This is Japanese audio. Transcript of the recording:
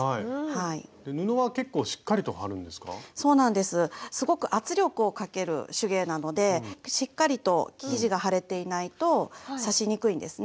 すごく圧力をかける手芸なのでしっかりと生地が張れていないと刺しにくいんですね。